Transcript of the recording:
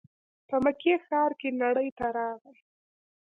په مکې ښار کې نړۍ ته راغی.